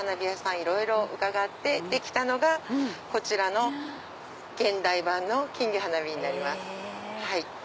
いろいろ伺ってできたのがこちらの現代版の金魚花火になります。